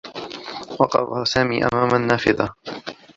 وقف سامي أمام النّافذة.